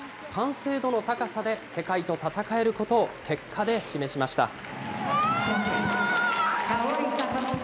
完成度の高さで世界と戦えることを結果で示しました。